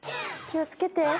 気を付けて。